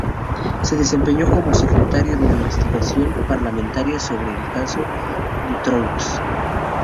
Se desempeñó como secretario de la investigación parlamentaria sobre el caso Dutroux.